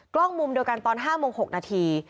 กล้องมุมเดียวกันตอน๕โมง๖นาที